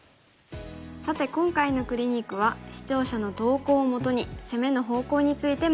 さて今回のクリニックは視聴者の投稿をもとに攻めの方向について学びました。